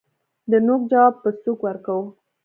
دنوک جواب په سوک ورکوو